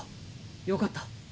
よかった。